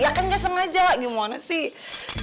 iya kan nggak sengaja gimana sih